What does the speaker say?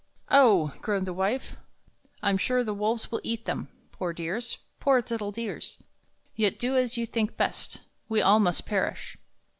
"Oh!" groaned the wife, "I'm sure the wolves will eat them, Poor dears poor little dears! Yet do as you think best we all must perish!"